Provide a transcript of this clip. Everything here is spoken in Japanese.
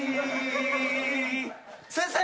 先生！